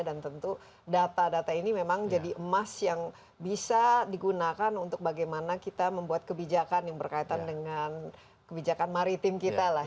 dan tentu data data ini memang jadi emas yang bisa digunakan untuk bagaimana kita membuat kebijakan yang berkaitan dengan kebijakan maritim kita lah